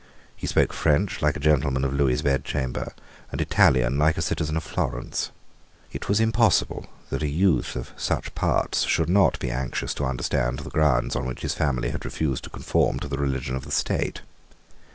He spoke French like a gentleman of Lewis's bedchamber, and Italian like a citizen of Florence. It was impossible that a youth of such parts should not be anxious to understand the grounds on which his family had refused to conform to the religion of the state.